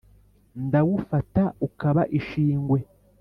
Ndawufata ukaba ishingwe,